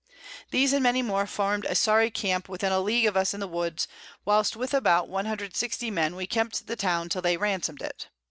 These and many more form'd a sorry Camp within a League of us in the Woods, whilst with about 160 Men we kept the Town till they ransom'd it.